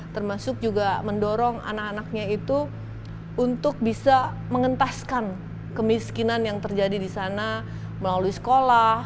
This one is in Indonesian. termasuk juga mendorong anak anaknya itu untuk bisa mengentaskan kemiskinan yang terjadi di sana melalui sekolah